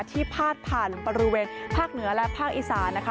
พาดผ่านบริเวณภาคเหนือและภาคอีสานนะคะ